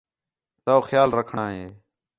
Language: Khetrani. تو خیال رکھݨاں ہے